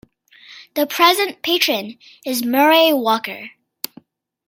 The present Patron is Murray Walker.